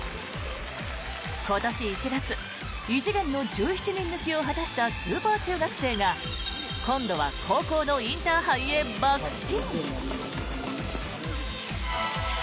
今年１月異次元の１７人抜きを果たしたスーパー中学生が今度は高校のインターハイへばく進。